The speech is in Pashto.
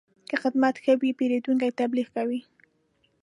که خدمت ښه وي، پیرودونکی تبلیغ کوي.